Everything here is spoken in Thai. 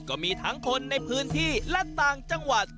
ก็มีทั้งคนในพื้นที่และต่างจังหวัด